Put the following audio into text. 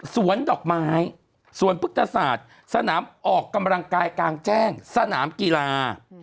ดอกไม้สวนพุทธศาสตร์สนามออกกำลังกายกลางแจ้งสนามกีฬา